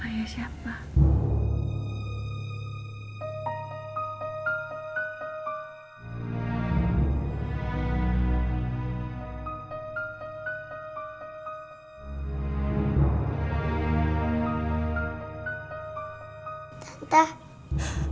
tante kenal sama rumahku